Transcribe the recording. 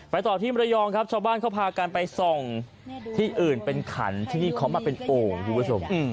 ต่อที่มรยองครับชาวบ้านเขาพากันไปส่องที่อื่นเป็นขันที่นี่เขามาเป็นโอ่งคุณผู้ชม